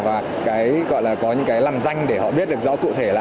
và cái gọi là có những cái làn danh để họ biết được rõ cụ thể là